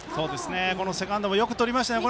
セカンドもよくとりました。